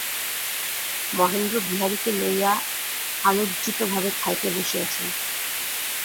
মহেন্দ্র বিহারীকে লইয়া আলজ্জিতভাবে খাইতে বসিয়াছেন।